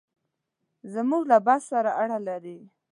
زموږ له بحث سره اړه لري.